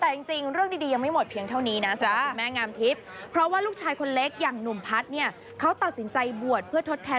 แต่จริงเรื่องดีไม่หมดเพียงเท่านี้นะ